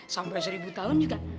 sampai seribu tahun juga